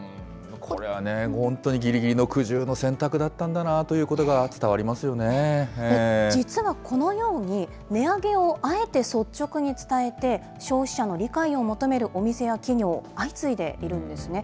これはね、本当にぎりぎりの苦渋の選択だったんだなというこ実はこのように、値上げをあえて率直に伝えて、消費者の理解を求めるお店や企業、相次いでいるんですね。